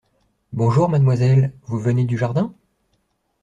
Bonjour, mademoiselle : vous venez du jardin ?